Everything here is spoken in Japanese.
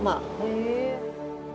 へえ！